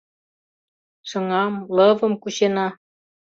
Шыҥам, лывым кучена